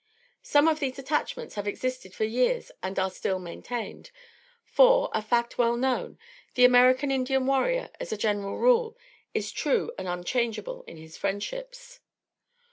Some of these attachments have existed for years and are still maintained; for, a fact well known, the American Indian warrior, as a general rule, is true and unchangeable in his friendships.